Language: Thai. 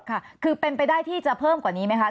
ค่ะคือเป็นไปได้ที่จะเพิ่มกว่านี้ไหมคะ